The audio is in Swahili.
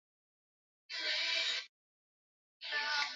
kutoweka kuliko hata nukta ya Amri kumi kuondolewa